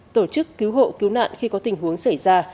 tổ chức cứu hộ cứu nạn khi có tình huống xảy ra